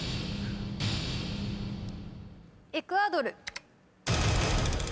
エクアドル。